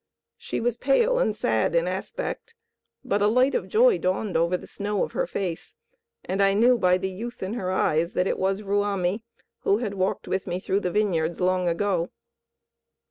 She was pale and sad in aspect, but a light of joy dawned over the snow of her face, and I knew by the youth in her eyes that it was Ruamie, who had walked with me through the vineyards long ago.